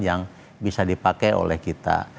yang bisa dipakai oleh kita